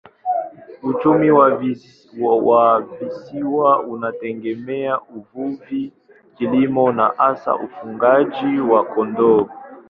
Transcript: Uchumi wa visiwa unategemea uvuvi, kilimo na hasa ufugaji wa kondoo.